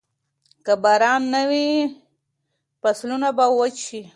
که باران نه وي، فصلونه به وچ شي.